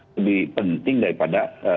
lebih penting daripada